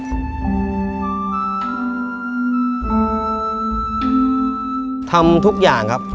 ทำทุกอย่างครับ